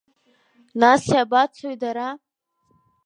Нас иабацои дара?